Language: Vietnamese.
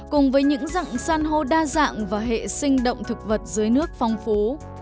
cùng với những dặng săn hô đa dạng và hệ sinh động thực vật dưới nước phong phú